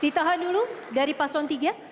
ditahan dulu dari paslon tiga